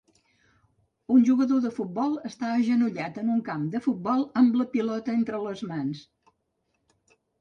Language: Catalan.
Un jugador de futbol està agenollat en un camp de futbol amb la pilota entre les mans